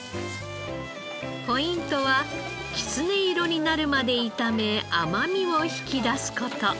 ポイントはキツネ色になるまで炒め甘みを引き出す事。